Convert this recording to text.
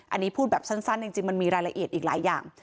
อันนี้พูดแบบสั้นจริงมันมีรายละเอียดอีกหลายอย่าง